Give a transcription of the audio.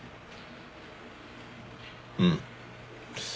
うん。